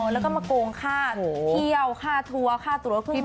แล้วก็มาโกงค่าเที่ยวค่าถั่วค่าตั๋วครึ่ง